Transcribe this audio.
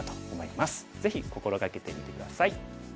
ぜひ心掛けてみて下さい。